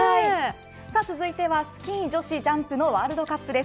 さあ続いてはスキー女子ジャンプのワールドカップです。